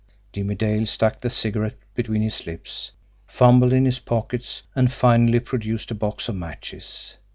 Jimmie Dale stuck the cigarette between his lips, fumbled in his pockets, and finally produced a box of matches.